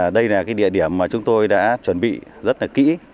đây là địa điểm mà chúng tôi đã chuẩn bị rất là kỹ